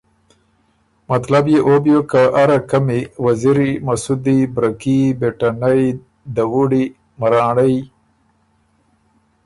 مطلب يې او بیوک که اره قمی وزیری، مسُودی، برکي، بېټنئ، دوُړی، منرانړئ